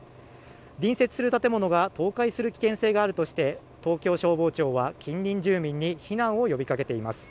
隣接する建物が倒壊する危険性があるとして東京消防庁は近隣住民に避難を呼びかけています。